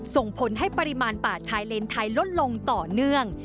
ส่งผลให้ปริมาณป่าชายเลนไทยลดลงต่อเนื่อง